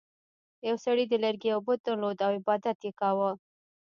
یو سړي د لرګي یو بت درلود او عبادت یې کاوه.